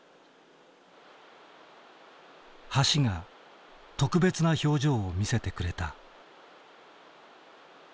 橋が特別な表情を見せてくれた。